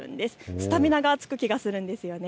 スタミナがつく気がするんです。